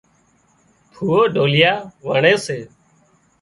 ڦوئو ڍوليا وڻي سي